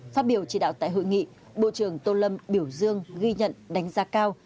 phát biểu chỉ đạo tại hội nghị bộ trưởng tô lâm biểu dương ghi nhận đánh giá cao